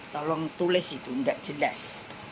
tolong tulis itu tidak jelas